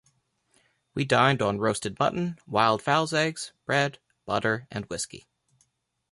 We dined on roasted mutton, wild fowls' eggs, bread, butter and whisky.